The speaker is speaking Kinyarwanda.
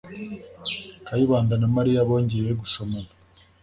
Kayibanda na Mariya bongeye gusomana.